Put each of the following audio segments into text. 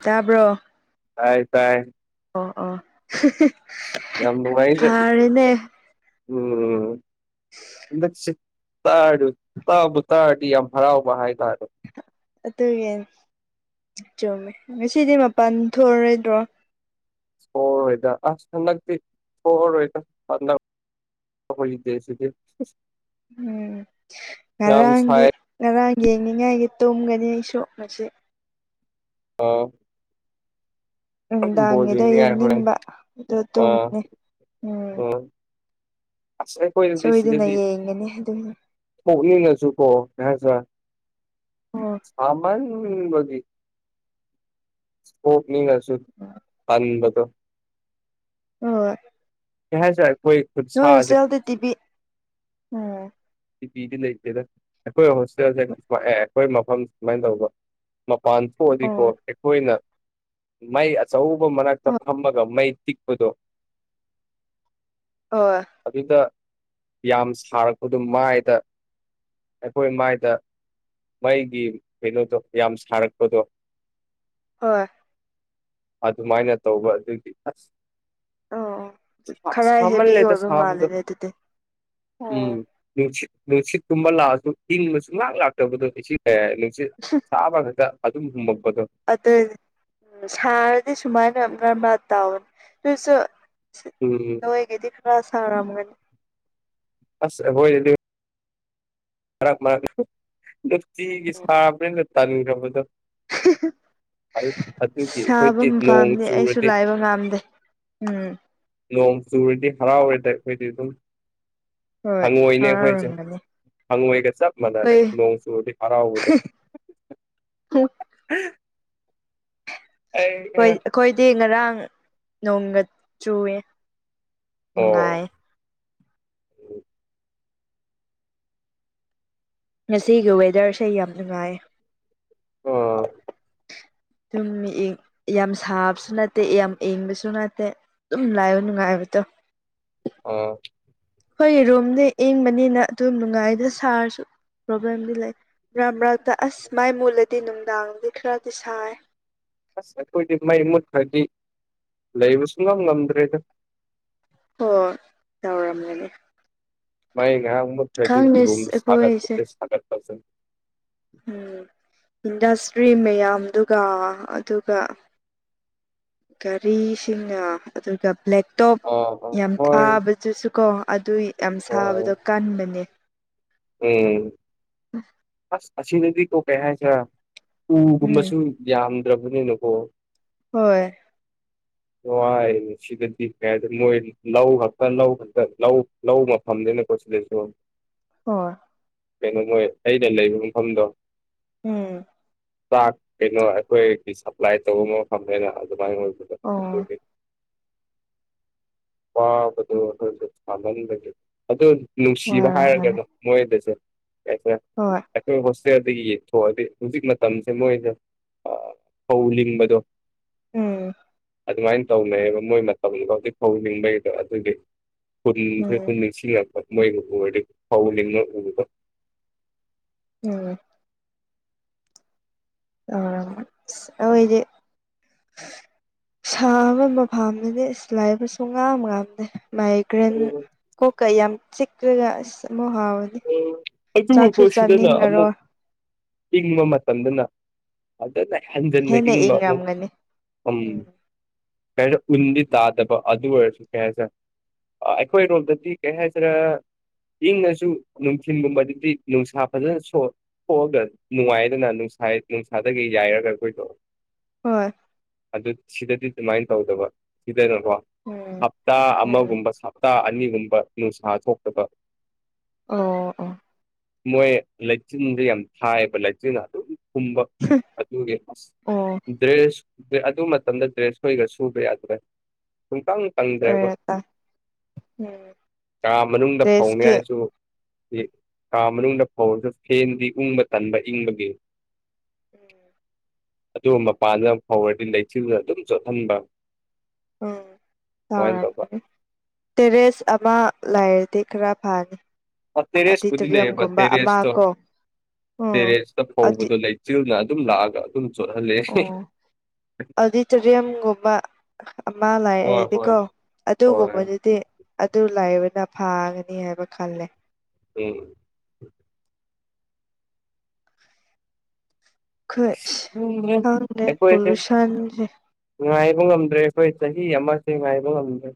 ꯇꯥꯕ꯭ꯔꯣ ꯇꯥꯏ ꯇꯥꯏ ꯑꯣ ꯑꯣ ꯌꯥꯝ ꯅꯨꯡꯉꯥꯏꯅꯦ ꯐꯔꯦꯅꯦ ꯎꯝ ꯍꯟꯗꯛꯁꯤ ꯇꯥ ꯇꯥꯕꯨ ꯇꯥꯔꯗꯤ ꯌꯥꯝ ꯍꯔꯥꯎꯕ ꯍꯥꯏꯇꯥꯔꯦ ꯑꯗꯨꯒꯤ ꯆꯨꯝꯃꯦ ꯉꯁꯤꯗꯤ ꯃꯄꯥꯟ ꯊꯣꯛꯑꯔꯣꯏꯗ꯭ꯔꯣ ꯍ‌ꯣꯏꯗ ꯑꯁ ꯍꯟꯗꯛꯇꯤ ꯊ‌ꯣꯛꯑꯔ‌ꯣꯏꯗ ꯇꯧꯍꯩꯗ‌ꯦ ꯑꯗꯨꯗꯤ ꯎꯝ ꯉꯔꯥꯡꯒꯤ ꯁꯥꯏ ꯉꯔꯥꯡ ꯌꯦꯡꯅꯤꯡꯉꯥꯏꯒꯤ ꯇꯨꯝꯒꯅꯤ ꯑꯩꯁꯨ ꯑꯁꯤ ꯑꯧ ꯅꯨꯡꯗꯥꯡꯒꯤꯗ‌ꯣ ꯌꯦꯡꯅꯤꯡꯉꯥꯏ ꯍꯣꯔꯦꯟ ꯌꯦꯡꯅꯤꯡꯕ ꯑꯗꯨ ꯑꯥ ꯇꯨꯝꯒꯅꯤ ꯎꯝ ꯑꯁ ꯑꯩꯈꯣꯏꯗꯗꯤ ꯁꯣꯏꯗꯅ ꯁꯤꯗꯗꯤ ꯌꯦꯡꯒꯅꯤ ꯑꯗꯨꯒꯤ ꯊꯣꯛꯅꯤꯡ ꯉꯁꯨꯀꯣ ꯀꯩ ꯍꯥꯏꯇꯥꯔ‌ꯦ ꯑꯣ ꯁꯥꯃꯟꯕꯒꯤ ꯊ‌ꯣꯛꯅꯤꯡ ꯉꯁꯨ‌ ꯇꯟꯕꯗ‌ꯣ ꯍ‌ꯣꯏ ꯀꯩꯍꯥꯏꯇꯥꯔ‌ꯦ ꯈ‌ꯣꯏ ꯈꯨꯠ ꯁꯥꯖ‌ꯦ ꯍꯣꯁꯇꯦꯜꯗ ꯇꯤꯚꯤ ꯎꯝ ꯇꯤꯚꯤꯗꯤ ꯂꯩꯇꯦꯗ ꯑꯩꯈꯣꯏ ꯍꯣꯁꯇꯦꯜꯗ ꯑꯦ ꯑꯩꯈꯣꯏ ꯃꯐꯝꯗ ꯁꯨꯃꯥꯏꯅ ꯇꯧꯕ ꯃꯄꯥꯟ ꯊꯣꯛꯑꯗꯤꯀꯣ ꯑꯣ ꯑꯩꯈꯣꯏꯅ ꯃꯥꯏ ꯆꯧꯕ ꯃꯅꯥꯛꯇ ꯍꯣꯏ ꯐꯝꯃꯒ ꯃꯩ ꯇꯤꯛꯄꯗꯣ ꯍꯥ ꯑꯗꯨꯗ ꯌꯥꯝ ꯁꯥꯔꯛꯄꯗꯣ ꯃꯥꯏꯗ ꯑꯩꯈꯣꯏ ꯃꯥꯏꯗ ꯃꯩꯒꯤ ꯀꯩꯅꯣꯗꯣ ꯌꯥꯝ ꯁꯥꯔꯛꯄꯗꯣ ꯍꯣꯏ ꯑꯗꯨꯃꯥꯏꯅ ꯇꯧꯕ ꯑꯗꯨꯒꯤ ꯑꯁ ꯑꯣ ꯈꯔ ꯍꯦꯚꯤ ꯁꯃꯥꯜꯂꯦꯗ ꯑꯣꯏꯕ ꯁꯥꯕꯗꯣ ꯃꯥꯜꯂꯦꯅꯦ ꯑꯗꯨꯗꯤ ꯎꯝ ꯑꯣ ꯅꯨꯡꯁꯤꯠ ꯅꯨꯡꯁꯤꯠ ꯀꯨꯝꯕ ꯂꯥꯛꯑꯁꯨ ꯏꯤꯡꯕ ꯁꯨꯡꯂꯛ ꯂꯥꯛꯇꯕꯗꯣ ꯑꯥꯁꯤ ꯆꯥꯕ ꯈꯛꯇ ꯑꯗꯨꯝ ꯍꯨꯝꯃꯛꯄꯗꯣ ꯑꯗꯨ ꯁꯥꯔꯗꯤ ꯁꯨꯃꯥꯏꯅ ꯃꯔꯛ ꯃꯔꯛ ꯇꯥꯎꯏ ꯑꯗꯨꯁꯨ ꯎꯝ ꯅꯣꯏꯒꯤꯗꯤ ꯈꯥꯔꯥ ꯁꯥꯔꯝꯒꯅꯤ ꯑꯁ ꯑꯩꯈꯣꯏꯒꯤꯗꯤ ꯃꯔꯛ ꯃꯔꯛ ꯅꯨꯡꯇꯤꯒꯤ ꯁꯥꯕꯅꯤꯅ ꯇꯥꯟꯈ꯭ꯔꯕꯗꯣ ꯁꯥꯕ ꯑꯩꯈꯣꯏꯗꯤ ꯅꯣꯡ ꯄꯥꯝꯗꯦ ꯑꯩꯁꯨ ꯆꯨꯔꯗꯤ ꯂꯥꯏꯕ ꯉꯥꯝꯗꯦ ꯎꯝ ꯅꯣꯡ ꯆꯨꯨꯔꯗꯤ ꯍꯔꯥꯎꯔꯦꯗ ꯑꯩꯈꯣꯏꯗꯤ ꯑꯗꯨꯝ ꯍꯣꯏ ꯍꯪꯉꯣꯏꯅꯦ ꯑꯩꯈꯣꯏꯁꯦ ꯍꯔꯥꯎꯔꯝꯒꯅꯤ ꯍꯪꯉꯣꯏꯒ ꯆꯞ ꯃꯥꯟꯅꯔꯦ ꯍꯣꯏ ꯅꯣꯡ ꯆꯨꯔꯗꯤ ꯍꯔꯥꯎꯕꯗꯣ ꯍꯣꯏ ꯍꯝ ꯑꯩꯈꯣꯏꯗꯤ ꯉꯔꯥꯡ ꯅꯣꯡꯒ ꯆꯨꯏ ꯌꯦ ꯑꯣ ꯉꯥꯁꯤꯒꯤ ꯋꯦꯗꯔꯁꯦ ꯌꯥꯝ ꯅꯨꯡꯉꯥꯏꯌꯦ ꯑꯣ ꯑꯗꯨꯨꯝ ꯌꯥꯝ ꯁꯥꯕꯁꯨ ꯅꯠꯇꯦ ꯌꯥꯝ ꯏꯪꯕꯁꯨ ꯅꯠꯇꯦ ꯑꯗꯨꯝ ꯂꯥꯛꯑꯣ ꯅꯨꯡꯉꯥꯏꯕꯗꯣ ꯑ ꯑꯩꯈꯣꯏꯒꯤ ꯔꯨꯝꯗ ꯏꯪꯕꯅꯤꯅ ꯑꯗꯨꯝ ꯅꯨꯡꯉꯥꯏꯗ ꯁꯥꯔꯁꯨ ꯄ꯭ꯔꯣꯕ꯭ꯂꯦꯝꯗꯤ ꯂꯩ ꯃꯔꯛ ꯕ꯭ꯔꯗ ꯑꯁ ꯁꯨꯃꯥꯏ ꯃꯨꯠꯂꯗꯤ ꯅꯨꯡꯗꯥꯡꯗꯤ ꯈꯔꯗꯤ ꯁꯥꯏ ꯑꯁ ꯑꯩꯈꯣꯏꯗꯤ ꯃꯩ ꯃꯨꯠꯈ꯭ꯔꯗꯤ ꯂꯩꯕꯁꯨꯛꯉꯝ ꯉꯝꯗ꯭ꯔꯦꯗ ꯍꯣꯏ ꯇꯧꯔꯝꯒꯅꯤ ꯃꯥꯏ ꯉꯥꯏꯍꯛ ꯃꯨꯠ ꯈꯔ꯭ꯗꯤ ꯈꯪꯗꯦ ꯔꯨꯝ ꯁꯥꯒꯠ ꯑꯩꯈꯣꯏꯁꯦ ꯄꯥꯁꯦ ꯁꯥꯒꯠ ꯄꯥꯁꯦ ꯎꯝ ꯏꯟꯗꯁꯇ꯭ꯔꯤ ꯃꯌꯥꯝꯗꯨꯒ ꯑꯗꯨꯒ ꯒꯥꯔꯤꯁꯤꯡꯅ ꯑꯗꯨꯒ ꯕ꯭ꯂꯦꯛ ꯇꯣꯞ ꯑꯥ ꯑꯥ ꯌꯥꯝ ꯍꯣꯏ ꯊꯥꯕꯗꯨꯁꯨ ꯀꯣ ꯑꯗꯨ ꯌꯥꯝ ꯍꯣꯏ ꯁꯥꯕꯗꯣ ꯀꯟꯕꯅꯦ ꯎꯝ ꯑꯁ ꯑꯁꯤ ꯅꯨꯄꯤꯀꯣ ꯀꯩ ꯍꯥꯏꯁꯤꯔ ꯎꯝ ꯎꯒꯨꯝꯕꯁꯨ ꯌꯥꯝꯗ꯭ꯔꯕꯅꯤꯅꯀꯣ ꯍꯣꯏ ꯋꯥꯏꯌꯦꯕ ꯁꯤꯗꯗꯤ [unintelligible] ꯂꯧ ꯈꯛꯇ ꯂꯧ ꯈꯛꯇ ꯂꯧ ꯂꯧ ꯃꯐꯝꯅꯤꯅꯀꯣ ꯁꯤꯗꯩꯁꯨ ꯍꯣꯏ ꯀꯩꯅꯣ ꯃꯣꯏ ꯑꯩꯅ ꯂꯩꯕ ꯃꯐꯝꯗꯣ ꯎꯝ ꯆꯥꯛ ꯀꯩꯅꯣ ꯑꯩꯈꯣꯏꯒꯤ ꯁꯄ꯭ꯂꯥꯏ ꯇꯧꯕ ꯃꯐꯝꯅꯦꯅ ꯑꯗꯨꯃꯥꯏꯅ ꯑꯣꯏ ꯑꯣ ꯋꯥꯕꯗꯣ ꯑꯩꯈꯣꯏꯁꯨ ꯁꯥꯃꯥꯟꯕꯒꯤ ꯑꯗꯣ ꯅꯨꯡꯁꯤꯕ ꯋꯥꯔꯝꯒꯅꯤ ꯍꯥꯏꯔꯒꯅꯣ ꯃꯣꯏꯗꯁꯨ [unintelligible] ꯍꯣꯏ ꯑꯩꯈꯣꯏ ꯍꯣꯁꯇꯦꯜꯗꯒꯤ ꯌꯦꯡꯊꯣꯛꯑꯗꯤ ꯍꯧꯖꯤꯛ ꯃꯇꯝꯁꯦ ꯃꯣꯏꯅ ꯐꯧ ꯂꯤꯡꯕꯗꯣ ꯎꯝ ꯑꯗꯨꯃꯥꯏꯟ ꯇꯧꯅꯩꯌꯦꯕ ꯃꯣꯏ ꯃꯇꯝꯒꯤ ꯍꯧꯖꯤꯛ ꯐꯧ ꯂꯤꯡꯕꯩꯒꯤꯀꯣ ꯑꯗꯨꯒꯤ ꯍꯨꯟꯁꯦ ꯎꯝ ꯍꯨꯟ ꯁꯤꯡꯉꯛꯄ ꯃꯣꯏꯕꯨ ꯎꯔꯗꯤ ꯐꯧ ꯂꯤꯡꯉ ꯎꯕ ꯎꯝ ꯑꯣ ꯑꯈꯣꯏꯗꯤ ꯁꯥꯕ ꯃꯐꯝꯁꯤꯗꯤ ꯏꯁ ꯂꯥꯏꯕ ꯁꯨꯉꯝ ꯉꯝꯗꯦ ꯃꯥꯏꯒ꯭ꯔꯦꯟ ꯀꯣꯛꯀ ꯌꯥꯝ ꯆꯤꯛꯂꯒ ꯑꯁ ꯑꯃꯨꯛ ꯍꯧꯋꯦ ꯑꯣ [unintelligible] ꯁꯤꯗꯅ ꯑꯃꯨꯛ ꯏꯪꯕ ꯃꯇꯝꯗꯅ ꯐꯖꯅ ꯍꯦꯟꯖꯟꯅ ꯍꯦꯟꯅ ꯏꯪꯕ ꯑꯃꯨꯛ ꯏꯪꯔꯝꯒꯅꯤ ꯎꯝ ꯀꯩꯅꯣ ꯎꯟꯗꯤ ꯇꯥꯗꯕ ꯑꯗꯨ ꯑꯣꯏꯔꯁꯨ ꯀꯩ ꯍꯥꯏꯁꯤꯔꯥ ꯑ ꯑꯩꯈꯣꯏꯔꯣꯝꯗꯗꯤ ꯀꯩ ꯍꯥꯏꯁꯤꯔꯥ ꯏꯪꯉꯁꯨ ꯅꯨꯡꯊꯤꯟꯒꯨꯝꯕꯗꯗꯤ ꯅꯨꯡꯁꯥ ꯐꯖꯅ ꯁꯣꯛ ꯊꯣꯛꯑꯒ ꯅꯨꯡꯉꯥꯏꯗꯅ ꯅꯨꯡꯁꯥ ꯅꯨꯡꯁꯥꯗꯒꯤ ꯌꯥꯏꯔꯒ ꯑꯩꯈꯣꯏꯁꯨ ꯍꯣꯏ ꯑꯗꯨ ꯁꯤꯗꯗꯤ ꯑꯗꯨꯃꯥꯏꯅ ꯇꯧꯗꯕ ꯁꯤꯗꯅꯀꯣ ꯎꯝ ꯍꯞꯇꯥ ꯎꯝ ꯑꯃꯒꯨꯝꯕ ꯁꯥ__ ꯍꯞꯇꯥ ꯑꯅꯤꯒꯨꯝꯕ ꯅꯨꯡꯁꯥ ꯊꯣꯛꯇꯕ ꯑꯣ ꯑꯣ ꯃꯣꯏ ꯂꯩꯆꯤꯟꯗꯨ ꯌꯥꯝ ꯊꯥꯏꯌꯦꯕ ꯂꯩꯆꯤꯟ ꯑꯗꯨꯝ ꯍꯨꯝꯕ ꯑꯗꯨꯒꯤ ꯑꯁ ꯑꯣ ꯗ꯭ꯔꯦꯁꯄꯨꯗꯤ ꯑꯗꯨ ꯃꯇꯝꯗ ꯗ꯭ꯔꯦꯁ ꯈꯣꯏꯒ ꯁꯨꯕ ꯌꯥꯗ꯭ꯔꯦ ꯄꯨꯡꯀꯡ__ ꯀꯪꯗꯦꯕ ꯑꯣꯏꯔ ꯎꯝ ꯀꯥ ꯃꯅꯨꯡꯗ ꯗ꯭ꯔꯦꯁꯀꯤ ꯐꯧꯅꯤꯉꯥꯏꯁꯨ __ [unintelligible] ꯀꯥ ꯃꯅꯨꯡꯗ ꯐꯧꯔꯁꯨ ꯐꯦꯟꯗꯤ ꯎꯨꯡꯕ ꯇꯟꯕ ꯏꯪꯕꯒꯤ ꯑꯗꯨꯒ ꯃꯄꯥꯟꯗ ꯐꯧꯔꯗꯤ ꯂꯩꯆꯤꯜꯅ ꯑꯗꯨꯝ ꯆꯣꯠꯍꯟꯕ ꯎꯝ ꯑꯗꯨꯃꯥꯏꯅ ꯇꯧꯕ ꯆꯥꯎꯔꯝꯒꯅꯤ ꯇꯦꯔꯦꯁ ꯑꯃ ꯂꯩꯔꯗꯤ ꯈꯔ ꯐꯅꯤ ꯑ ꯇꯦꯔꯦꯁꯄꯨꯗꯤ ꯂꯩꯌꯦꯕ ꯑꯣꯗꯤꯇꯣꯔꯤꯌꯝꯒꯨꯝꯕ ꯑꯃ ꯇꯦꯔꯦꯁꯇꯣ ꯀꯣ ꯎꯝ ꯇꯦꯔꯦꯁꯇ ꯑꯗꯤ ꯐꯧꯕꯗꯣ ꯂꯩ ꯆꯤꯜꯅ ꯑꯗꯨꯝ ꯂꯥꯛꯑꯒ ꯑꯗꯨꯝ ꯆꯣꯠꯍꯜꯂꯦ [unintelligible] ꯑꯣ ꯑꯣꯗꯤꯇꯣꯔꯤꯌꯝꯒꯨꯝꯕ ꯑꯃ ꯍꯣꯏ ꯍꯣꯏ ꯂꯩꯑꯔꯗꯤꯀꯣ ꯍꯣꯏ ꯑꯗꯨꯒꯨꯝꯕꯗꯨꯗꯤ ꯑꯗꯨ ꯂꯩꯕꯅ ꯐꯥꯒꯅꯤ ꯍꯥꯏꯕ ꯈꯜꯂꯦ ꯋꯦꯡ ꯈꯨꯠꯁ ꯈꯪꯗ꯭ꯔꯦ ꯈꯪꯗꯦ ꯑꯩꯈꯣꯏꯁꯦ ꯄꯣꯂꯨꯁꯟꯖꯦ ꯉꯥꯏꯕ ꯉꯝꯗ꯭ꯔꯦ ꯑꯩꯈꯣꯏ ꯆꯍꯤ ꯑꯃꯁꯦ ꯉꯥꯏꯕ ꯉꯝꯗ꯭ꯔꯦ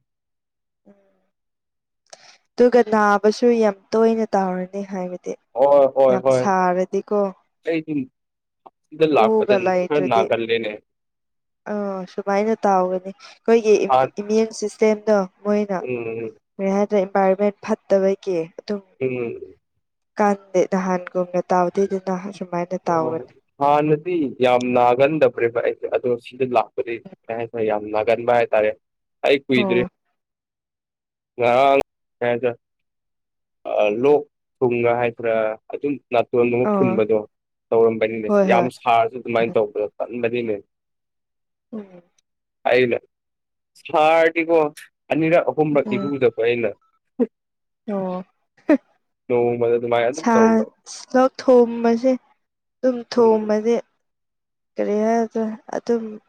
ꯑꯗꯨꯒ ꯅꯥꯕꯁꯨ ꯌꯥꯝ ꯇꯣꯏꯅ ꯇꯥꯎꯔꯅꯤ ꯍꯥꯏꯕ ꯍꯣꯏ ꯍꯣꯏ ꯍꯣꯏ ꯑꯩꯗꯨꯝ ꯎꯒ ꯂꯥꯛꯄꯗꯟ ꯈꯔ ꯅꯥꯒꯜꯂꯤꯅꯦ ꯑ ꯁꯨꯃꯥꯏꯅ ꯇꯥꯎꯒꯅꯤ ꯑꯈꯣꯏꯒꯤ ꯏꯝ ꯍꯥꯟ ꯏꯃꯦꯝꯁꯤꯁ ꯇꯦꯝꯗꯣ ꯃꯣꯏꯅ ꯎꯝ ꯀꯔꯤ ꯍꯥꯏꯗꯥꯔ ꯏꯟꯚꯥꯏꯔꯣꯟꯃꯦꯟ ꯐꯠꯇꯕꯒꯤ ꯑꯗꯨꯝ ꯎꯝ ꯀꯥꯟꯗꯦ ꯅꯍꯥꯟꯒꯨꯝꯅ ꯇꯥꯎꯗꯣꯏꯗꯨꯅ ꯁꯨꯃꯥꯏꯅ ꯍꯣꯏ ꯇꯥꯎꯒꯅꯤ ꯍꯥꯟꯅꯗꯤ ꯌꯥꯝ ꯅꯥꯒꯟꯗꯕ꯭ꯔꯦꯕ ꯑꯩꯁꯦ ꯑꯗꯣ ꯁꯤꯗꯤ ꯂꯥꯛ ꯄꯨꯗꯤ ꯀꯩꯍꯥꯏꯇꯔꯦ ꯌꯥꯝ ꯅꯥꯒꯟꯕ ꯍꯥꯏꯇꯥꯔꯦ ꯑꯩ ꯀꯨꯏꯗ꯭ꯔꯤ ꯑꯣ ꯉꯔꯥꯡ ꯀꯩꯍꯥꯏꯁꯤꯔ ꯑ ꯂꯣꯛ ꯊꯨꯡꯕ ꯍꯥꯏꯗ꯭ꯔꯥ ꯑꯗꯨꯝ ꯅꯥꯇꯣꯟ ꯒꯨꯝꯕ ꯑꯥ ꯐꯨꯟꯕꯗꯣ ꯇꯧꯔꯝꯕꯅꯤꯅꯦ ꯍꯣꯏ ꯌꯥꯝ ꯍꯣꯏ ꯁꯥꯔꯁꯨ ꯑꯗꯨꯃꯥꯏꯅ ꯇꯧꯕꯗꯣ ꯇꯟꯕꯅꯤꯅꯦ ꯎꯝ ꯑꯩꯅ ꯁꯥꯔꯗꯤꯀꯣ ꯑꯅꯤꯔꯛ ꯑꯍꯨꯝꯕꯛꯇꯤ ꯎꯝ ꯍꯨꯗꯕ ꯑꯩꯩꯅ ꯑꯣ ꯅꯣꯡꯃꯗ ꯑꯗꯨꯃꯥꯏꯅ ꯑꯗꯨꯝ ꯇꯧꯕ ꯂꯥꯛ ꯊꯣꯝꯕꯁꯦ ꯑꯗꯨꯝ ꯎꯝ ꯊꯣꯝꯕꯁꯦ ꯀꯔꯤ ꯍꯥꯏꯗ ꯑꯗꯨ ꯑꯗꯨ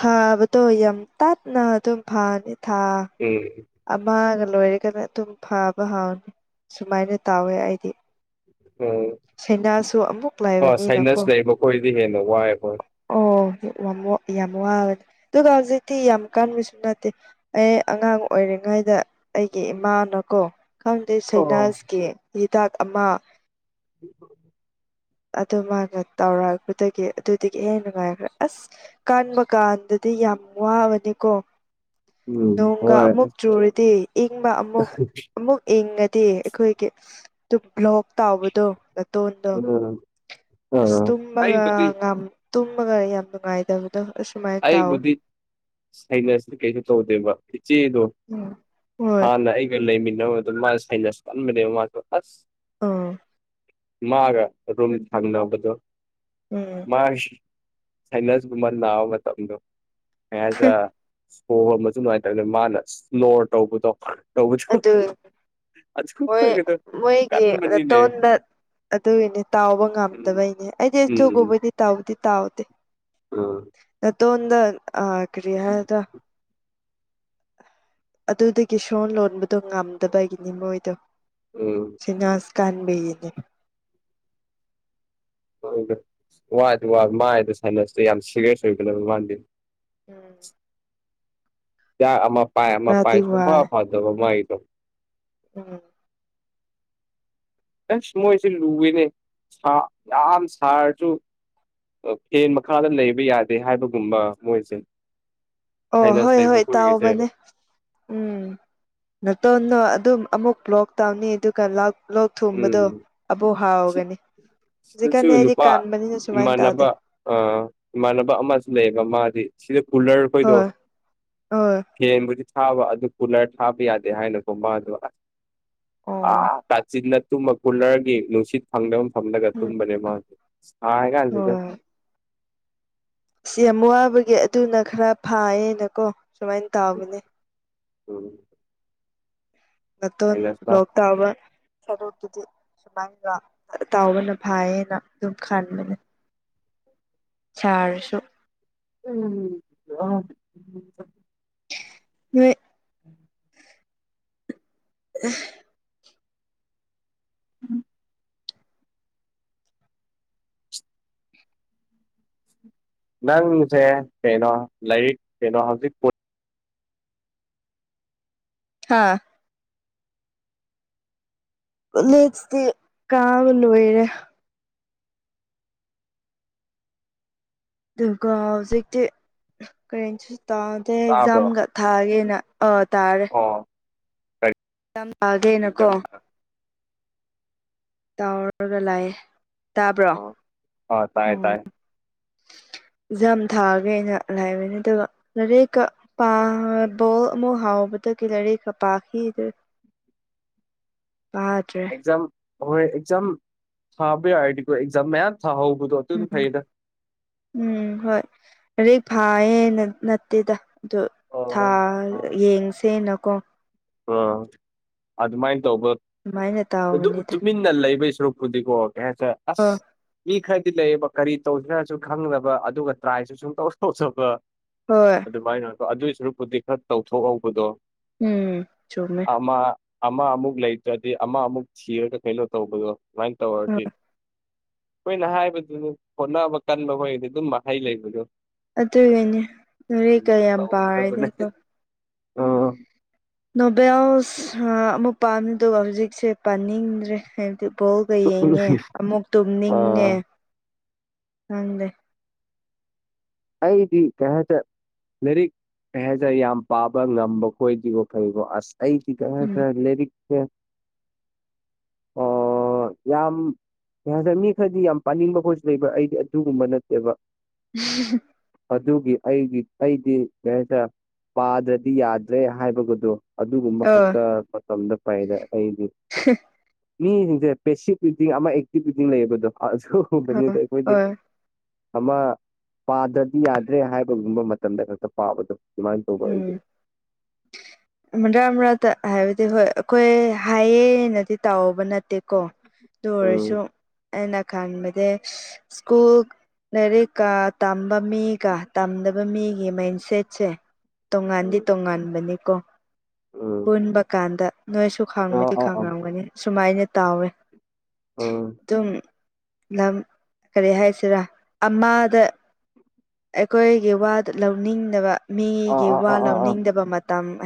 ꯍꯕꯇꯌ ꯇꯠ ꯅ ꯑꯗꯨꯨꯝ ꯐꯥꯅꯤ ꯊ ꯎꯝ ꯑꯃꯒ ꯂꯣꯏꯔꯒꯅ ꯑꯗꯨꯝ ꯐꯥꯕ ꯍꯥꯎꯅꯤ ꯁꯨꯃꯥꯏꯅ ꯇꯥꯎꯋꯦ ꯑꯩꯗꯤ ꯎꯝ ꯁꯩꯅꯥꯁꯨ ꯑꯃꯨꯛ ꯍꯣꯏ ꯂꯥꯏꯕꯅꯤꯅꯀꯣ ꯁꯥꯏꯅꯁ ꯂꯩꯕ ꯈꯣꯏꯗꯤ ꯍꯦꯟꯅ ꯋꯥꯏ ꯍꯣꯏ ꯑꯣ ꯌꯥꯝ ꯌꯥꯝ ꯋꯥꯕꯅꯤ ꯑꯗꯨꯒ ꯍꯧꯖꯤꯛꯇꯤ ꯌꯥꯝ ꯀꯟꯕꯁꯨ ꯅꯠꯇꯦ ꯑꯩ ꯑꯉꯥꯡ ꯑꯣꯏꯔꯤꯉꯩꯗ ꯑꯩꯒꯤ ꯏꯃꯥꯅꯀꯣ ꯈꯪꯗꯦ ꯑꯣ ꯁꯩꯅꯥꯖꯀꯤ ꯍꯤꯗꯥꯛ ꯑꯃ [inaudible] ꯑꯗꯨ ꯃꯥꯅ ꯇꯧꯔꯛꯄꯗꯒꯤ ꯑꯗꯨꯗꯒꯤ ꯍꯦꯟꯅ ꯅꯨꯡꯉꯥꯏꯈ꯭ꯔꯦ ꯑꯁ ꯀꯟꯕ ꯀꯥꯟꯗꯗꯤ ꯌꯥꯝ ꯋꯥꯕꯅꯤꯀꯣ ꯎꯝ ꯅꯣꯡꯒ ꯍꯣꯏ ꯑꯃꯨꯛ ꯆꯨꯔꯗꯤ ꯏꯪꯕ ꯑꯃꯨꯛ ꯑꯃꯨꯛ ꯏꯪꯉꯗꯤ ꯑꯩꯈꯣꯏꯒꯤ ꯑꯗꯨ ꯕ꯭ꯂꯣꯛ ꯇꯥꯎꯕꯗꯣ ꯇꯣꯟꯗ ꯎꯝ ꯑꯁ ꯑꯥ ꯇꯨꯝꯃꯒ ꯑꯩꯕꯨꯗꯤ ꯇꯨꯝꯃꯒ ꯌꯥꯝ ꯅꯨꯡꯉꯥꯏꯇꯕꯗꯣ ꯑꯁꯨꯃꯥꯏ ꯑꯩꯕꯨꯗꯤ ꯁꯩꯅꯁꯤꯗꯤ ꯀꯩꯁꯨ ꯇꯧꯗꯦꯕ ꯏꯆꯦꯗꯣ ꯎꯝ ꯍꯣꯏ ꯍꯥꯟꯅ ꯑꯩꯒ ꯂꯩꯃꯤꯟꯅꯕꯗꯣ ꯃꯥ ꯁꯩꯅꯁ ꯆꯠꯃꯤꯅꯦꯕ ꯃꯥꯁꯨꯣ ꯑꯁ ꯑꯥ ꯃꯥꯒ ꯔꯨꯝꯝ ꯊꯥꯡꯅꯕꯗꯣ ꯎꯝ ꯃꯥ ꯁꯅꯁ ꯃꯃ ꯂꯅꯥꯑꯣꯕ ꯃꯇꯝꯗꯨ ꯍꯣꯏ ꯍꯣꯏ ꯃꯗꯨ ꯅꯨꯡꯉꯥꯏꯅꯇꯧꯅꯦ ꯃꯥꯅ ꯏꯁꯅꯣꯔ ꯇꯧꯕꯗꯣ ꯇꯧꯕꯗꯣ ꯑꯗꯨ ꯑꯗꯨ ꯍꯣꯏ ꯈꯣꯏꯒꯗꯣ ꯃꯣꯏꯒꯤ ꯀꯟꯕꯅꯤꯅꯦ ꯇꯣꯟꯗ ꯑꯗꯨꯒꯤꯅꯦ ꯇꯥꯎꯕ ꯎꯝ ꯉꯝꯗꯕꯩꯅꯦ ꯑꯩꯗꯤ ꯑꯆꯧꯕꯧꯕꯩꯗꯤ ꯇꯥꯎꯕꯗꯤ ꯇꯥꯎꯗꯦ ꯑ ꯅꯠꯇꯣꯣꯗ ꯑ ꯀꯔꯤꯌꯥꯗ ꯑꯗꯨꯗꯒꯤ ꯁꯣꯟ ꯂꯣꯟꯕꯗꯣ ꯉꯝꯗꯕꯒꯤꯅꯤ ꯃꯣꯏꯗꯣ ꯎꯝ ꯁꯤꯤꯟꯥꯁ ꯀꯥꯥꯟꯕꯅꯤ ꯋꯥꯗꯤ ꯃꯥꯗ ꯁꯥꯏꯅꯁꯇ ꯌꯥꯝ ꯁꯤꯦꯔꯤꯌꯁ ꯑꯣꯏꯒꯅꯦꯕ ꯃꯥꯗꯤ ꯎꯝ ꯌꯥ ꯑꯃ ꯄꯥꯏ ꯑꯃ ꯄꯥꯏ ꯈꯔꯗꯤ ꯁ ꯐꯥꯎ ꯋꯥꯏ ꯐꯥꯎꯗꯕ ꯃꯥꯏꯗꯧ ꯎꯝ ꯑꯁ ꯃꯣꯏꯁꯤꯦ ꯂꯨꯏꯅꯦ ꯌꯥꯝ ꯁꯥꯔꯁꯨ ꯍꯦꯟ ꯃꯈꯥꯗ ꯂꯩꯕ ꯌꯥꯗꯦ ꯍꯥꯏꯕꯒꯨꯝꯕ ꯃꯣꯏꯁꯦ ꯑꯣ ꯍꯥꯏꯅꯁ ꯍꯣꯏ ꯂꯩꯕ ꯍꯣꯏ ꯑꯩꯈꯣꯏꯒꯤꯁꯦ ꯇꯥꯥꯎꯑꯣꯕꯅꯦ ꯎꯝ ꯅꯇꯣꯟꯅꯣ ꯑꯗꯨꯝ ꯑꯃꯨꯛ ꯂꯣꯛ ꯇꯎꯅꯤ ꯑꯗꯨꯒ ꯂꯥꯛ ꯂꯣꯛ ꯊꯨꯝꯕꯗꯣ ꯎꯝ ꯑꯕꯨꯧ ꯁꯤ ꯍꯥꯎꯒꯅꯤ ꯁꯤꯗꯁꯨ ꯍꯧꯖꯤꯛꯀꯥꯟꯅꯤ ꯑꯩꯗꯤ ꯅꯨꯄꯥ ꯀꯟꯕꯅꯤꯅ ꯁꯨꯃꯥꯏꯅ ꯇꯥꯗꯦ ꯏꯃꯥꯟꯅꯕ ꯑ ꯏꯃꯥꯟꯅꯕ ꯑꯃꯁꯨ ꯂꯩꯌꯦꯕ ꯃꯥꯗꯤ ꯁꯤꯗ ꯀꯨꯂꯔ ꯈꯣꯏꯗꯣ ꯍꯣꯏ ꯍꯣꯏ ꯐꯦꯟꯕꯨꯗꯤ ꯊꯥꯕ ꯑꯗꯨ ꯀꯨꯂꯔ ꯊꯥꯕ ꯌꯥꯗꯦ ꯍꯥꯏꯅꯒꯨꯝꯕ ꯑꯣ ꯑꯥ ꯆꯤꯟꯅ ꯇꯨꯝꯕ ꯀꯨꯂꯔꯒꯤ ꯅꯨꯡꯁꯤꯠ ꯐꯪꯗꯕ ꯃ ꯐꯝꯂꯒ ꯎꯝ ꯇꯨꯝꯕꯅꯦ ꯃꯥꯁꯦ ꯀꯥꯟꯁꯤꯗ ꯍꯣꯏ ꯑꯁ ꯌꯥꯝ ꯋꯥꯕꯒꯤ ꯑꯗꯨꯅ ꯈꯔ ꯐꯥꯏꯌꯦꯅꯀꯣ ꯁꯨꯃꯥꯏꯅ ꯇꯥꯎꯕꯅꯦ ꯎꯝ ꯃꯇꯣꯟ ꯍꯩꯅꯁ ꯂꯣꯛꯇꯥꯕꯔꯣꯛꯀꯤꯗꯤ ꯁꯨꯃꯥꯏꯗꯣꯇꯥꯎꯕꯅ ꯐꯥꯏꯌꯦꯅ ꯑꯗꯨꯝ ꯈꯟꯕꯅꯦ ꯆꯥꯔꯁꯨ ꯎꯝ ꯎ ꯎ ꯎꯝ ꯅꯪꯁꯦ ꯀꯩꯅꯣ ꯂꯥꯏꯔꯤꯛ ꯀꯩꯅꯣ ꯍꯧꯖꯤꯛ ꯍꯥꯥ ꯀꯂꯦꯖꯇꯤ ꯀꯥꯕ ꯂꯣꯏꯔꯦ ꯑꯗꯨꯒ ꯍꯧꯖꯤꯛꯇꯤ ꯀꯔꯦꯟꯁꯤ ꯇꯥ ꯇ ꯇꯥꯕ꯭ꯔꯣ ꯑꯦꯛꯖꯥꯝ ꯊꯥꯒꯦꯅ ꯇꯥꯔꯦ ꯑꯣ ꯀꯔꯤ ꯇꯥꯒꯦꯅꯀꯣ ꯑꯦꯛꯖꯥꯝ ꯊꯥ ꯇꯥꯎꯔꯒ ꯂꯥꯛꯑꯦ ꯇꯥꯕ꯭ꯔꯣ ꯑꯣ ꯑꯥ ꯇꯥꯏ ꯇꯥꯏ ꯎꯝ ꯑꯦꯛꯖꯥꯝ ꯊꯥꯔꯒꯦ ꯑꯩꯅ ꯂꯥꯛꯕ ꯅꯠꯇ ꯂꯔꯦꯛꯀ ꯕꯣꯜ ꯑꯃ ꯍꯥꯎꯕꯗꯒꯤꯂꯔꯤꯒ ꯄꯥꯈꯤꯗ ꯃꯥ꯭ꯔꯦ ꯛꯖꯝ ꯍꯣꯏ ꯑꯦꯛꯖꯥꯝ ꯊꯥꯕ ꯌꯥꯗꯤꯀ ꯑꯦꯛꯖꯥꯝ ꯃꯌꯥꯝ ꯊꯥꯍꯧꯕꯗꯣ ꯑꯗꯨꯝ ꯎꯝ ꯐꯩꯗ ꯎꯝ ꯍꯣꯏ ꯍꯧꯗꯤ ꯐꯥꯌꯦꯦ ꯅꯠꯇꯦꯗ ꯑꯣꯥ ꯑꯣ ꯌꯦꯡꯁꯦꯅꯀꯣ ꯑꯣ ꯑꯗꯨꯃꯥꯏꯅ ꯇꯧꯕ ꯑꯗꯨꯃꯥꯏꯅ ꯑꯗꯨꯝ ꯇꯥꯎꯕꯅꯤꯗ ꯇꯨꯃꯤꯟ ꯅ ꯂꯩꯕꯩ ꯁꯔꯨꯛꯄꯨꯗꯤꯀꯣ ꯀꯩ ꯍꯥꯏꯁꯦ ꯑꯁ ꯑꯣ ꯏ ꯈꯔꯗꯤ ꯂꯩꯌꯦꯕ ꯀꯔꯤ ꯇꯧꯁꯤ꯭ꯔꯥꯁꯨ ꯈꯪꯗꯕ ꯑꯗꯨꯒ ꯇ꯭ꯔꯥꯏꯁꯨ ꯁꯨꯝ ꯇꯧ ꯇꯧꯁꯕ ꯍꯣꯏ ꯑꯗꯨꯃꯥꯏꯅ ꯑꯗꯨꯏ ꯁꯔꯨꯛꯄꯨꯗꯤ ꯈꯔ ꯇꯧꯊꯣꯛꯍꯧꯕꯗꯣ ꯎꯝ ꯆꯨꯝ ꯑꯃ ꯑꯃ ꯑꯃꯨꯛ ꯂꯩꯇ꯭ꯔꯗꯤ ꯑꯃ ꯑꯃꯨꯛ ꯊꯤꯔꯒ ꯀꯩꯅꯣ ꯇꯧꯕꯗꯣ ꯁꯨꯃꯥꯏꯅ ꯇꯧꯔꯗꯤ ꯍꯣꯏ ꯑꯩꯈꯣꯏꯅ ꯍꯥꯏꯕꯗꯨꯅ ꯍꯣꯠꯅꯕ ꯀꯟꯕ ꯍꯣꯏꯗꯤ ꯑꯗꯨꯝ ꯃꯍꯩ ꯂꯩꯕꯗꯣ ꯑꯗꯨꯒꯤꯅꯦ ꯅꯦ ꯀꯌꯥꯝ ꯄꯥꯔꯗꯤ ꯑ ꯅꯣꯕꯦꯜꯁ ꯑꯃꯨꯛ ꯄꯥꯝꯃꯤ ꯑꯗꯨꯒ ꯍꯧꯖꯤꯛꯁꯦ ꯄꯥꯅꯤꯡꯗ꯭ꯔꯦ ꯍꯥꯏꯕꯗꯤ ꯕꯣꯜꯒ ꯌꯦꯡꯉꯦ ꯑꯃꯨꯛ ꯇꯨꯝꯅꯤꯡꯉꯦ ꯑꯥ ꯅꯗꯦ ꯑꯩꯗꯤ ꯀꯇ ꯂꯥꯏꯔꯤꯛ ꯀꯩ ꯍꯥꯏꯇꯥꯔꯦ ꯌꯥꯝ ꯄꯥꯕ ꯉꯝꯕ ꯈꯣꯏꯗ꯭ꯔꯤꯕꯣ ꯐꯩꯀꯣ ꯑꯁ ꯑꯩꯗꯤꯤ ꯀ ꯎꯝ ꯐ ꯂꯦꯔꯤꯛꯁ ꯑꯣ ꯌꯥꯝꯁꯦ ꯃꯤ ꯈꯔꯗꯤ ꯌꯥꯝ ꯄꯥꯅꯤꯡꯕ ꯈꯣꯏꯁꯨ ꯂꯩꯕ ꯑꯩꯗꯤ ꯑꯗꯨꯒꯨꯝꯕ ꯅꯠꯇꯦꯕ ꯎꯝ ꯑꯗꯨꯒꯤ ꯑꯩꯒꯤ ꯑꯩꯗꯤ ꯀꯔꯤ ꯍꯥꯏꯇꯥꯔꯦ ꯄꯥꯗ꯭ꯔꯗꯤ ꯌꯥꯗ꯭ꯔꯦ ꯍꯥꯏꯕꯒꯗꯣ ꯑꯗꯨꯒꯨꯝꯕ ꯑꯣ ꯈꯛꯇ ꯃꯇꯝꯗ ꯄꯥꯏꯌ‌ꯦꯗ ꯑꯩꯗꯤ ꯃꯤꯁꯤꯡꯁꯦ ꯄꯦꯁꯤꯞ ꯔꯤꯗꯤꯡ ꯑꯃ ꯑꯦꯛꯇꯤꯚ ꯔꯤꯗꯤꯡ ꯂꯩꯌꯦꯕꯗꯣ ꯑꯥ ꯑꯗꯨꯒꯨꯝꯕꯅꯤꯗ ꯍꯣꯏ ꯑꯩꯈꯣꯏꯗꯤ ꯍꯣꯏ ꯑꯝꯃ ꯄꯥꯗ꯭ꯔꯗꯤ ꯌꯥꯗ꯭ꯔꯦ ꯍꯥꯏꯕꯒꯨꯝꯕ ꯃꯇꯝꯗ ꯈꯛꯇ ꯄꯥꯕꯗꯣ ꯑꯗꯨꯃꯥꯏꯅ ꯇꯧꯕ ꯑꯩꯗꯤ ꯎꯝ ꯃꯔꯛ ꯃꯔꯛꯇ ꯍꯥꯏꯕꯗꯤ ꯍꯣꯏ ꯑꯩꯈꯣꯏ ꯍꯥꯏꯌꯦꯅꯗꯤ ꯇꯥꯎꯕ ꯅꯠ ꯅꯠꯇꯦꯀꯣ ꯑꯗꯨ ꯎꯝ ꯑꯣꯏꯔꯁꯨ ꯑꯩꯅ ꯈꯟꯕꯗꯤ ꯏꯁ꯭ꯀꯨꯜ ꯂꯥꯏꯔꯤꯛꯀ ꯇꯝꯕ ꯃꯤꯒ ꯇꯝꯗꯕ ꯃꯤꯒꯤ ꯃꯥꯏꯟ ꯁꯦꯠꯁꯦ ꯇꯣꯉꯥꯟꯗꯤ ꯎꯝ ꯇꯣꯉꯥꯟꯕꯅꯤꯀꯣ ꯎꯝ ꯄꯨꯟꯕ ꯀꯥꯟꯗ ꯅꯣꯏꯁꯨ ꯑꯥ ꯈꯪꯕꯗꯤ ꯑꯥ ꯑꯥ ꯈꯪꯉꯝꯒꯅꯤ ꯁꯨꯃꯥꯏꯅ ꯇꯥꯎꯋꯦ ꯎꯝ ꯑꯗꯨꯝ ꯂꯝ ꯀꯔꯤ ꯍꯥꯏꯁꯤꯔꯥ ꯑꯃꯗ ꯑꯩꯈꯣꯏꯒꯤ ꯋꯥꯗꫭ ꯂꯧꯅꯤꯡꯗꯕ ꯑꯥ ꯃꯤꯒꯤ ꯑꯥ ꯋꯥ ꯑꯥ ꯑꯥ ꯑꯥ ꯂꯧꯅꯤꯡꯗꯕ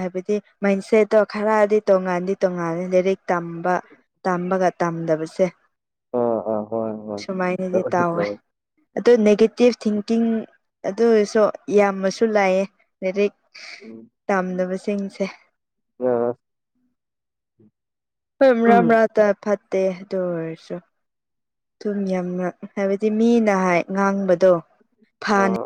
ꯍꯥꯏꯕꯗꯤ ꯃꯥꯏꯟꯁꯦꯠꯇꯣ ꯈꯔꯗꯤ ꯇꯣꯡꯉꯥꯟꯗꯤ ꯇꯣꯉꯥꯟꯜꯂꯤ ꯂꯥꯏꯔꯤꯛ ꯇꯝꯕ ꯇꯝꯕꯒ ꯇꯝꯗꯕꯁꯦ ꯑꯥ ꯑꯥ ꯍꯣꯏ ꯍꯣꯏ ꯁꯨꯃꯥꯏꯅꯗꯤ ꯇꯧꯋꯦ ꯇꯥꯎꯋꯦ ꯇꯧꯋꯦ ꯑꯗꯨ ꯅꯦꯒꯦꯇꯤꯞ ꯊꯤꯡꯀꯤꯡ ꯑꯗꯨ ꯑꯣꯏꯔꯥꯁꯨ ꯌꯥꯝꯅꯁꯨ ꯂꯩꯌꯦ ꯂꯥꯏꯔꯤꯛ ꯎꯝ ꯇꯝꯗꯕꯥꯁꯤꯡꯁꯦ [unintelligible] ꯍꯣꯏ ꯃꯔꯛ ꯑꯥ ꯃꯔꯛꯇꯥ ꯐꯠꯇꯦ ꯑꯗꯨ ꯑꯣꯏꯔꯁꯨ ꯑꯗꯨꯨꯝ ꯌꯥꯝꯅ ꯍꯥꯏꯕꯗꯤ ꯃꯤꯅ ꯍꯥꯏ ꯉꯥꯡꯕꯗꯣ ꯐꯥꯅꯤ